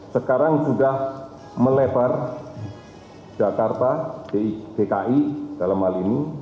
sekarang sudah melebar jakarta dki dalam hal ini